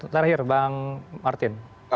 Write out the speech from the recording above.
terakhir bang martin